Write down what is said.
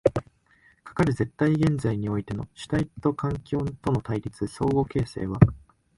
かかる絶対現在においての主体と環境との対立、相互形成は